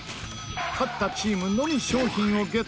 勝ったチームのみ商品をゲットでき